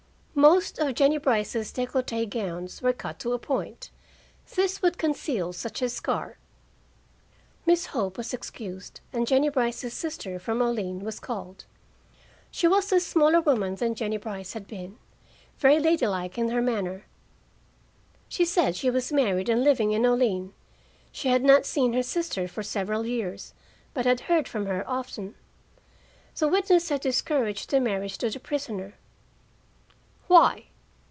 "Most of Jennie Brice's décolleté gowns were cut to a point. This would conceal such a scar." Miss Hope was excused, and Jennie Brice's sister from Olean was called. She was a smaller woman than Jennie Brice had been, very lady like in her manner. She said she was married and living in Olean; she had not seen her sister for several years, but had heard from her often. The witness had discouraged the marriage to the prisoner. "Why?"